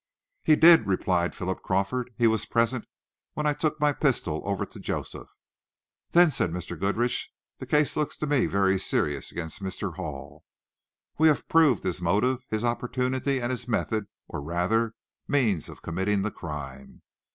"He did," replied Philip Crawford. "He was present when I took my pistol over to Joseph." "Then," said Mr. Goodrich, "the case looks to me very serious against Mr. Hall. We have proved his motive, his opportunity, and his method, or, rather, means, of committing the crime.